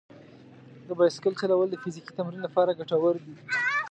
د بایسکل چلول د فزیکي تمرین لپاره ګټور دي.